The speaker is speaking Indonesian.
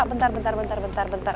bentar bentar bentar bentar bentar